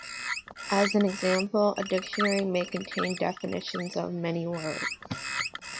As an example, a dictionary may contain definitions of many words.